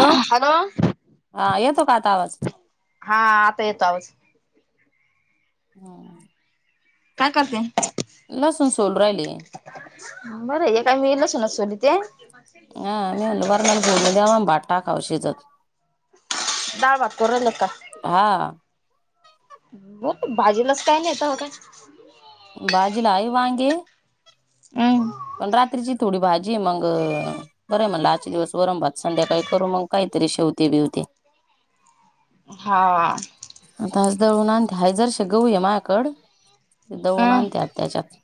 Hello हा येतो का आता आवाज हा आता येतो आवाज [inaudible] काय करते? लसून सोलू राहिले. बरं हे काय मी लसूणनच सोलिते. हा मी म्हणलं वरणाल फोडणी द्या मग भात टाक खाव शिजत डाळ भात करू राहिल्या की का? हा भाजीलाच काय नाय तव काय भाजीला हाय वांगे हम्म. पण रात्रीची थोडी भाजी मंग बरं म्हणलं आजच्या दिवस वरणभात संध्याकाळी करू मग काहीतरी शेवते बिवते हा आता आज दळून आण हाय जरशी गहू हाय मायाकड ते दळून हम् आणते आता ह्याच्यात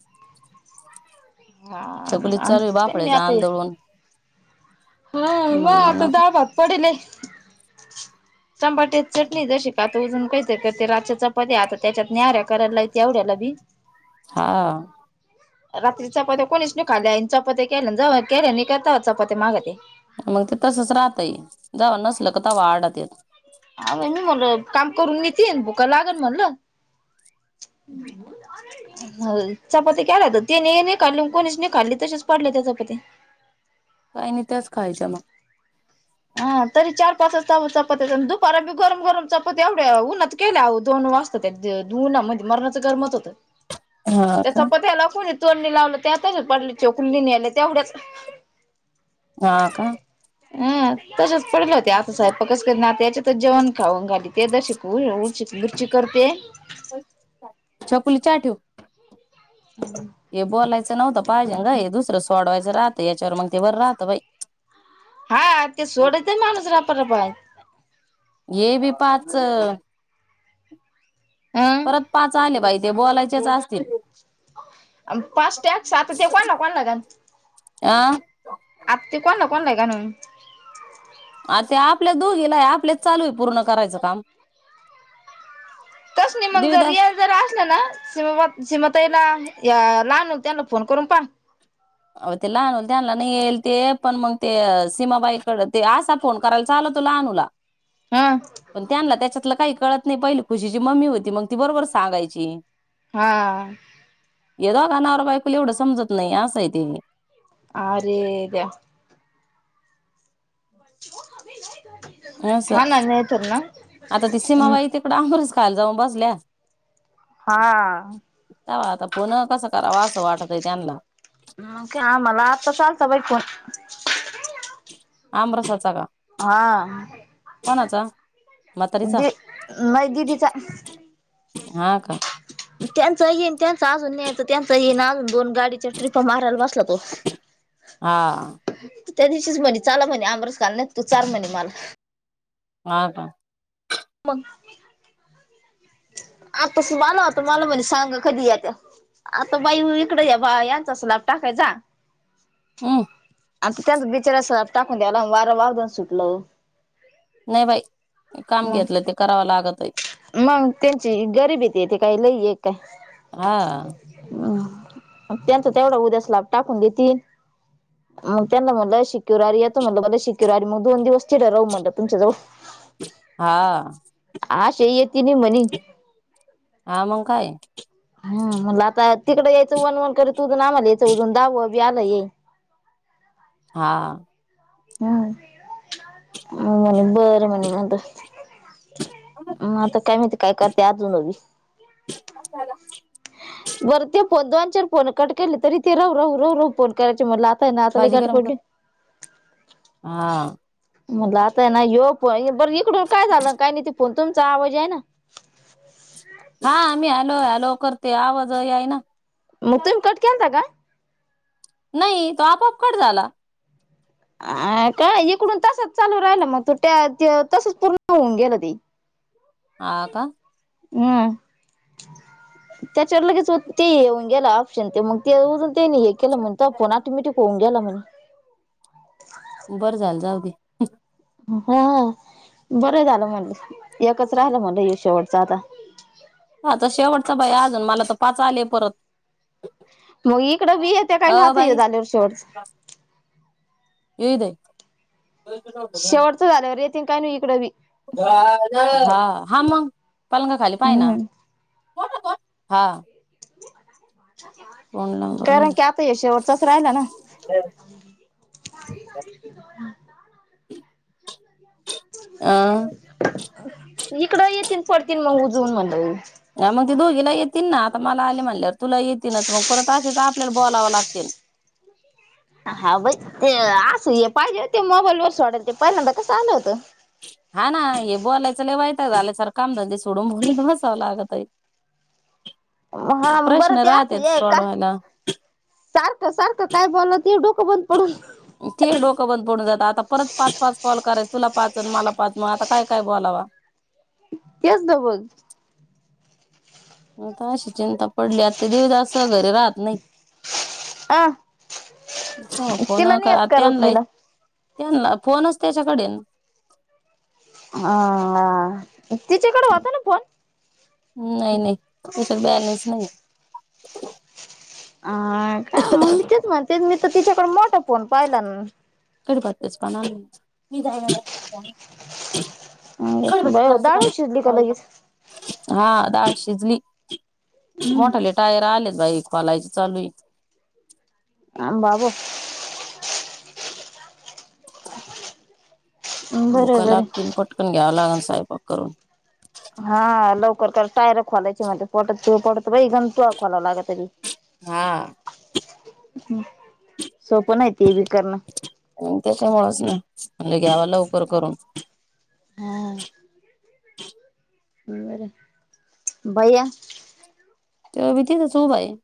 हा चालू आहे आणते मी बाफळ्याच आता आण हे - दळून हा म म्हणलं आता नको डाळ भात पडिले टंबाटे ची चटणी जशी का आता उजून काहीच ते र चपत्या आता त्याच्यात न्याहऱ्या करायला लाहित एवढ्याला भी. हा रात्री चपात्या कोणीच नि खाल्या चपात्या केल्या जाऊ केल्या करता चपात्या माग ते. मग ते तसच राहतय जावा नसल का तवा आर्डत्यात ह मी म्हणल काम करून येतील भुका लागलं म्हणलं चपात्या केलात त्यांनी नाही खाल्ली कोणीच नाही खाल्ली तसेच पडले त्या चपात्या काही नाय त्याच खायच्या मग हा तरी चार पाच चपात्या दुपारी गरम गरम चपात्या एवढ्या उन्हात केल्या दोन वाजता त्या उन्हामध्ये मरणाचं गरमत होतं. हा त्या का चपात्याला कोणी तोंड नाही लावलं त्या [unintelligible] पडलीत. चोकुलीन नेल्या तेवढ्याच हा का हा तसेच पडलं होत आता सयंपाकच करीत ना आता याच्यात तेच जेवण खाऊ घालीन ते दशी उरची मिरची करते. छकुली चहा ठेव. हे बोलाय नव्हत पाहिजे ग दुसर सोडवायच राहत याच्यावर मंग ते बर राहत बाई हा ते सोडतय माणूस रपारप ये भी पाच हं परत पाच आले बाई ते बोलायचेच असतील. पाच टॅक आता त्या कोणला कोणला घाल आं आता ते कोणला कोणला ग [unintelligible] ते आपल्या दोघीला आपलेच चालू ये पूर्ण करायच काम तस नाय मंग जर देवीदास यळ जर असला ना? [unintelligible] सीमताईला या लहाणु त्यांना फोन करून पा आव ते लहान होय त्यांना न्हेलते अ पण मग ते सीमाबाईकड ते असा फोन करायला चालतो लहानूला हा पण त्यांना त्याच्यातल काही कळत नाय पहिली खुशीची मम्मी होती मग ती बरोबर सांगायची. हा आ या दोघा नवरा बायकुला एवढ समजत नाही असय. ते अ आरे देवा! अस हा ना नाही तर ना आता ती सीमाबाई तिकड आमरच काल जाऊन बसल्या. हा आ हा आता फोन अ कसा करावा अस वाटतय त्यांला मग काय आम्हाला आता चालता बाई फोन आमरसाचा का? हा कोणाचा म्हातारीचा दि नाय दिदीचा हा का त्यांचा येईन त्यांचा अजून न्यायच त्यांचा येईना अजून दोन गाडीच्या ट्रिपा मारायला बसला तो आं त्या दिवशीच म्हणे चाला म्हणे आंबरस खाल्लात नाय तू चार म्हणे मला हा का? मग आता सुभा आला होता मला म्हणे सांग कधी येत्या आता बाई इकड या बायांचा सलाप टाकाय जा. हम आता त्यांचा बिचारा अस टाकून द्यायला वारं वाग जाऊन सुटलं नाय बाई काम मग घेतल ते करावं लागत आहे मग त्यांची गरीबी हेतेत. ते काय लई ये ते हा म ग त्यांचा तेवढा उद्याच स्लॅप टाकून देतील मग त्यांना म्हणलं शुक्रवारी येतो म्हणलं शुक्रवारीआ मग दोन दिवस तिथं राहू म्हणलं तुमच्या जवळ [inaudible] हा आ आशा येतीनी मनी हा मंग काय? हा म्हणलं आता तिकड यायचं वन वन करत उजून आम्हाला यायचं उजून दहावा बी आलय हा आ हा बर झालं घे बरं म्हणे मंत म आता काय माहिती काय करते आजुन बरं ते फोन दोन चार फोन कट केले तरी ते राहू राहू राहू राहू फोन करायचे म्हटलं आ ना आता लय भाजी गाठ गरम कर पडली हा म्हणलं आताय ना हा फो बर इकडून काय झालं आण काय नाय पण तुमचा आवाज यईना हा मी हॅलो हॅलो करते आवाज यईना म तुम्ही कट केलता का? नाही तो आपोआप कट झाला. अ काय इकडून तसच चालू राहिल मग तू त्या तसच पूर्ण होऊन गेलं ते हा का हम्म त्याच्यावर लगेच ते येऊन गेला ऑप्शन ते मग ते उग त्यांनी हे केलं म्हणून तोआ फोन ऑटोमॅटिक होऊन गेला म्हणे बरं झालं जाऊदे हा हा बरं झालं म्हणलं एकच राहिलं म्हटल शेवटच आता आता शेवटचा बाई अजून मला तर पाच आले परत मग इकडं बी येत्या अ कायनू आता हे बाई झाल्यावर शेवटच येऊ दे- शेवटच झाल्यावर येतील- कायनु इकडे बी हा हा मंग पलंगा खाली पायना हम्म कोण होत हा कोण [unintelligible] नंबर कारण की आता ये शेवटचाच रायला ना अ [unintelligible] इकड येतील पडतील मग उजवून म्हणलं ह मग ती दोघिना येतील ना आता मला आले म्हणल्यावर तुला येतीलच मग परत असेच आपल्याला बोलाव लागतील. हा व्हय ते असं हे पाहिजे होते मोबाईल वर सोडवायला ते पहिल्यांदा कसं आलं होतं. हा ना हे बोलायचं लई वैताग झालाय सारं कामधंदे सोडून बोलीत बसावं लागतय. हा बरं ते आस ये का सारख सारख काय बोलाव ती डोकं बंद पडून ते डोकं बंद पडून जात आता परत पाच पाच कॉल करायच तुला पाच अन् मला पाच मग आता काय काय बोलावा. तेच ना मग आता अशी चिंता पडली आता देवदास घरी राहत नाही. आ फोन तिला आत नाहीत त्यांना करतनीला त्यांना फोनच त्याच्याकडेन अ अ तिच्याकडे होता ना फोन हम्म नाही-नाही तेच्यात बॅलेन्स नाही आहे. आ का मग मी तेच म्हणतेच मी तर तिच्याकड मोठा फो फोन पाहिला न कडी पात्तेस पानांन [inaudible] बर डाळ शिजली का लगेच [unintelligible] हा दाळ शिजली मोठाले टायर आलेत बाई खोलायचे चालू हाय आं बाबू बरे भूका बरे लागतीन पटकन घ्यावं लागन स स्वयंपाक करून हा लवकर कर टायरं खोलायची म्हणतेत पोटात जीव पडतो बाई गंतू खोलाव लाग तरी हां हम्म सोपं नाही ती ते बी करणं म्हटले घ्यावा लवकर करून हा ह बया. तो बी तिथं च उभा ये.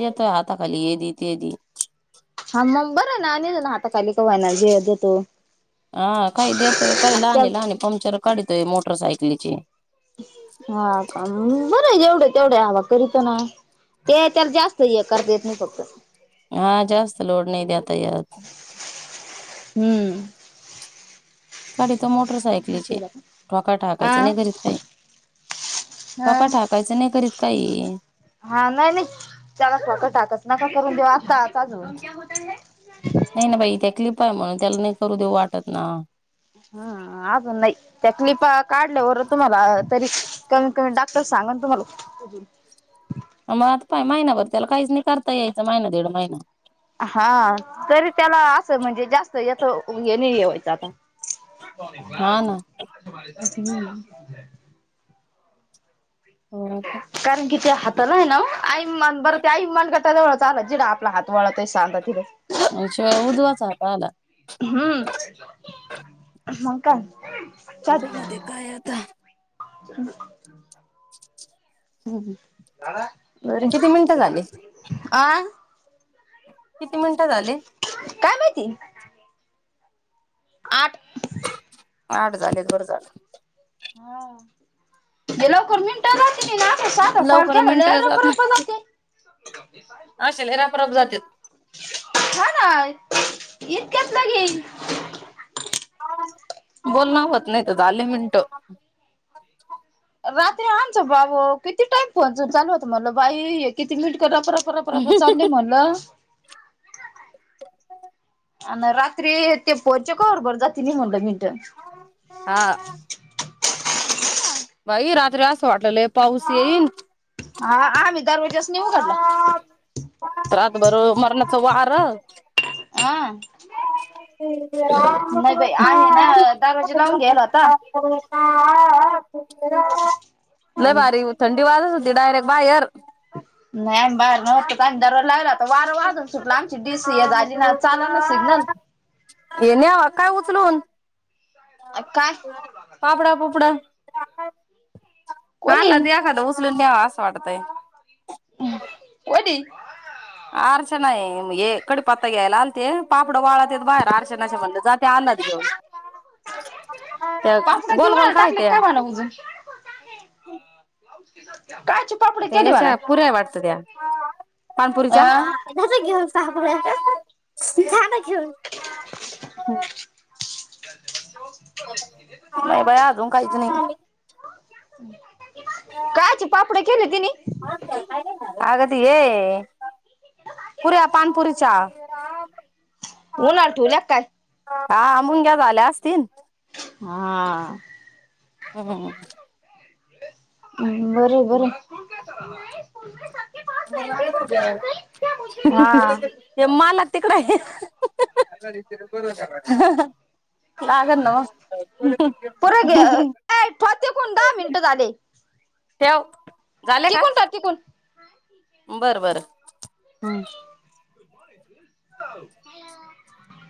देतोय हाता खाली ये दी ते दी हा मग बरं ना आणि ना हाता खाली कवाय ना जे देतो हा काही देतोय काही त्या लहाणी-लहाणी पंक्चर काढीतोय मोटरसायकीलीचे तेवढ्या हवा करीतो ना! ते तर, जास्त हे करता येत नाही फक्त. हा, जास्त लोड नाही देता येत. हम्म. काडी त अ मोड हा नाही घरीत काही पका टाकायचं नाही करीत काही हा नाही नाही त्याला स्वतः टाकत नका करून देवा. दात जून नाही ना बाई! क्लिप आहे म्हणून त्याला नाही करू देऊ वाटत ना. अं आजून नाही त्या क्लीपा. काढल्यावर तुम्हाला तरी कमीत कमी डॉक्टर सांगन तुम्हाला म आता काय महिनाभर त्याला काहीच नाही करता यायचं महिना दीड महिना. हा तरी त्याला असं म्हणजे जास्त याच हे नाही वायचं आता. हा ना [unintelligible] [unintelligible] हो कारण की त्या हाताला आहे ना आइन मनगटावर ते आइन मनगटावर चाला जिथे आपला हात वळत सारखा. म्हणजे उजवाच हात. आला. हम्म हो का? तेव्हा, काय आता? [unintelligible] [inaudible] हम् किती मिनिटं ह् झाले बरं. किती मिनिटं झाले? काय माहिती आठ आठ झाले बर का आता. हा, हे लवकर मिनट जातील ना? साधा कॉल लवकर केला की मिनट लेंय रप, जात रप नाही लगते अशे लय रपरप जाते हा ना? इतक्यात लगी बोलन होत नाहीत झाले मिनिटं. रात्री आणच बाबू किती टाइम फोनच चालू होत म्हणलं बाई! किती मिनट. ते रप रप रप चालले म्हणलं. आणि रात्री ते पच्याकर जाते निघूण मी म्हणलं. हा. बाई! रात्री असं वाटलेले पाऊस येईन. हा, आम्ही. दरवाज च नाही उघडला. रात भर मरणाच वारं आ नाही बाई आम्ही ना दरवाजा लावून घ्यायला होता [unintelligible] लइ आणि बारीक थंडी वाजत होती ते डायरेट बाहेर नाही बाहेर नव्हतं अंदारवर लागल अता वारं वाजून सुटला आमची डीसीए झाली ना चालनाच येन्या काय उच सलून काय पापडा पुपडा [unintelligible] मला कोणी द्या एखाद उस सोलून द्या असं वाटतय होय ती अर्चनाए कढीपत्ता घ्यायला आलते पापड वाळतेत बाहेर अरचनाच्या म्हणलं जाते अंदाज घेऊन त्या तासभर गोल गोल जेऊन काय टाकली त्या? कवा म्हण उगून [unintelligible] ते याच्या पुऱ्या वाटत त्या पाणीपुरीच्या अ जायचं घेऊन पापड्या जा ना घेऊन नाही बाई अजून काहीच नाही हम् - कहाची पापडी केली तिनी अगं ते ये पुऱ्या पाणीपुरीच्या उनात ठेवलीय काय आ मुंग्या झाल्या असतीन हा हम बरे-बरे ह्हह ते हा मालक तिकड य लागण नव्ह ह पुर ह ठोते कोण दहा मिनिटं ह झाले ठेव झाले टिकून टाक टिकून काय बरं बरं हम्म